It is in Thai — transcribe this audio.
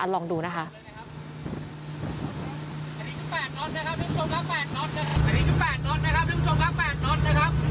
ลองดูนะคะ